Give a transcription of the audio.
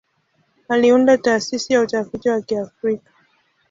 Aliunda Taasisi ya Utafiti wa Kiafrika.